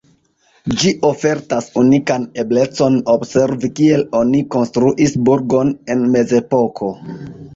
Ĝi ofertas unikan eblecon observi kiel oni konstruis burgon en mezepoko.